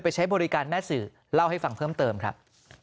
ใช้บริการแม่สื่อเล่าให้ฟังเพิ่มเติมครับ